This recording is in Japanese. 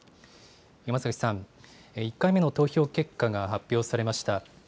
山崎さん、１回目の投票結果が発表されました。